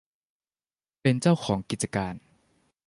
เป็นเจ้าของกิจการ